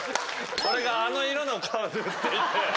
俺があの色の顔塗っていって。